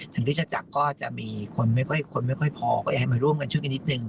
ถึงฮิริชจักรก็มีคนไม่พอก็อยากให้มาร่วมกันช่วยกันนิดนึง